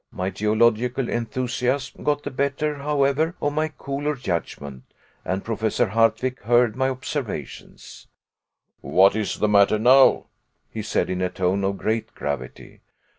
My geological enthusiasm got the better, however, of my cooler judgment, and Professor Hardwigg heard my observations. "What is the matter now?" he said, in a tone of great gravity.